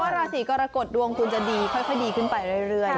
ราศีกรกฎดวงคุณจะดีค่อยดีขึ้นไปเรื่อย